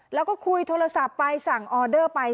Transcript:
แล้วก็คุยโทรศัพท์ไปสั่งออเดอร์ไป